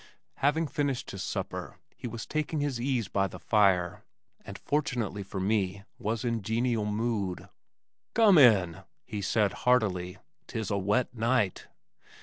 Having finished his supper he was taking his ease beside the fire, and fortunately for me, was in genial mood. "Come in," he said heartily. "'Tis a wet night."